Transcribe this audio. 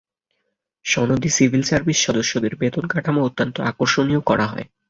সনদী civil service সদস্যদের বেতন কাঠামো অত্যন্ত আকর্ষণীয় করা হয়।